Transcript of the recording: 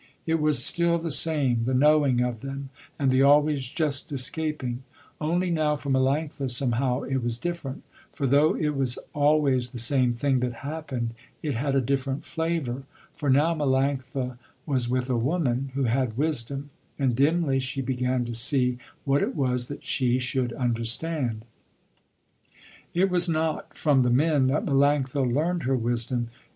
It was still the same, the knowing of them and the always just escaping, only now for Melanctha somehow it was different, for though it was always the same thing that happened it had a different flavor, for now Melanctha was with a woman who had wisdom, and dimly she began to see what it was that she should understand. It was not from the men that Melanctha learned her wisdom.